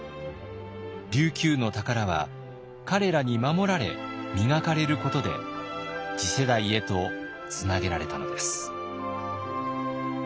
琉球の宝は彼らに守られ磨かれることで次世代へとつなげられたのです。